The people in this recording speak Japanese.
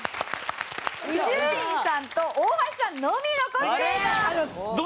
伊集院さんと大橋さんのみ残っています。